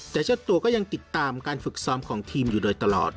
แต่เจ้าตัวก็ยังติดตามการฝึกซ้อมของทีมอยู่โดยตลอด